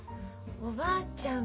おばあちゃん